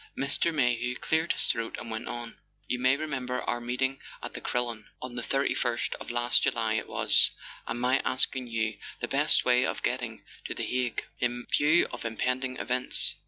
Air. Mayhew cleared his throat and went on: "You may remember our meeting at the Crillon—on the 31st of last July it was—and my asking you the best way of getting to the Hague, in view of impending events.